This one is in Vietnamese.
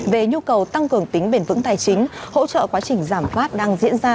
về nhu cầu tăng cường tính bền vững tài chính hỗ trợ quá trình giảm phát đang diễn ra